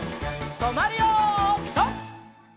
とまるよピタ！